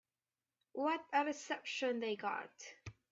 What a reception they got.